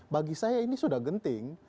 bagi saya ini sudah genting